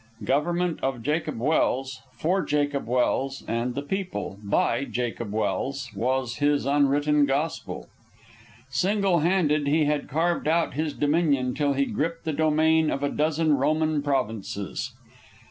Government of Jacob Welse, for Jacob Welse and the people, by Jacob Welse, was his unwritten gospel. Single handed he had carved out his dominion till he gripped the domain of a dozen Roman provinces.